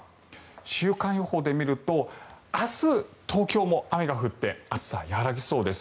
週間予報で見ると明日、東京も雨が降って暑さは和らぎそうです。